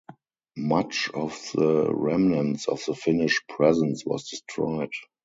Much of the remnants of the Finnish presence was destroyed.